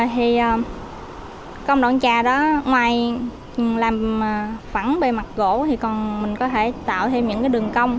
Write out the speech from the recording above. thì công đoạn chà đó ngoài làm phẳng bề mặt gỗ thì còn mình có thể tạo thêm những cái đường cong